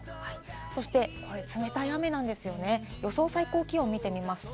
そして、冷たい雨なんですね。